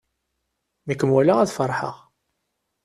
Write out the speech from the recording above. Mi kem-walaɣ ad feṛḥeɣ.